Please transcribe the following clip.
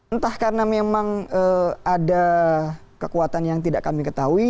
entah karena memang ada kekuatan yang tidak kami ketahui